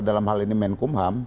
dalam hal ini menkumham